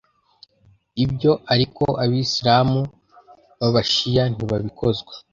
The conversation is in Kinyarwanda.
ibyo ariko abisilamu b’abashiya ntibabikozwa